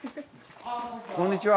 こんにちは。